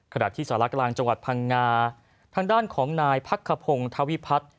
ขณะที่สารกลางจังหวัดพังงาทางด้านของนายพักขพงศ์ธวิพัฒน์